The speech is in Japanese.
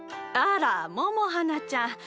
あら百はなちゃん。